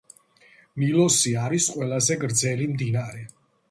ნილოსი არის ყველაზე გრძელი მდინარე